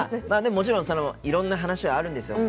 もちろんいろんな話はあるんですよ。